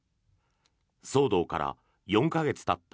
騒動から４か月たった